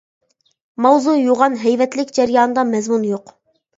ماۋزۇ يوغان ھەيۋەتلىك، جەريانىدا مەزمۇن يوق.